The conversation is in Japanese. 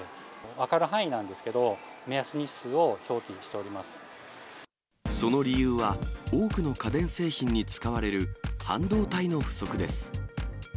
分かる範囲なんですけど、その理由は、多くの家電製品に使われる半導体の不足です。